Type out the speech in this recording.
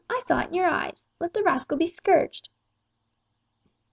I saw it in your eyes. Let the rascal be scourged."